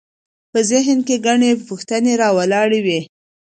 په ذهن کې ګڼې پوښتنې راولاړوي.